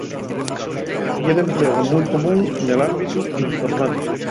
Ye d'emplegu mui común nel ámbitu informáticu.